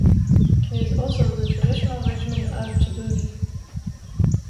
It is also the traditional regiment of Djibouti.